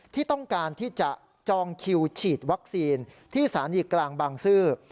ที่ต้องการที่จะจองคิวฉีดวัคซีนที่สถานีกลางบางซื่อ